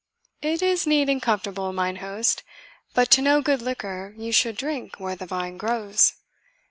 "It is neat and comfortable, mine host; but to know good liquor, you should drink where the vine grows.